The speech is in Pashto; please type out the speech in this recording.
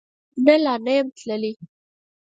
نه، لا نه یم تللی